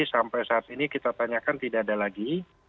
sampai saat ini kita tanyakan tidak ada lagi